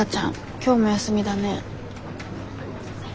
今日も休みだね。